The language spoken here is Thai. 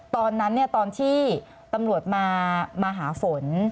ตอนนั้นที่ตำรวจมามาหาฝน